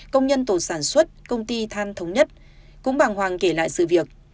công nhân tổ sản xuất công ty than thống nhất cũng bàng hoàng kể lại sự việc